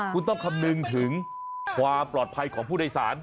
คุณต้องคำนึงถึงความปลอดภัยของผู้โดยสาร